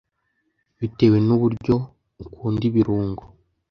bitewe n’uburyo ukunda ibirungo